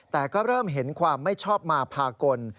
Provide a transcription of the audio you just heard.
แต่ก็เริ่มเห็นความไม่ชอบมาพากล